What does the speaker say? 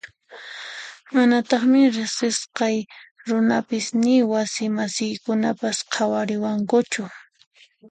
Manataqmi riqsisqay runapis ni wasi masiykunapas qhawariwankuchu.